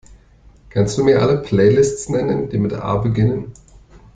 Kannst Du mir alle Playlists nennen, die mit A beginnen?